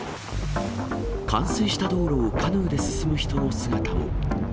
冠水した道路をカヌーで進む人の姿も。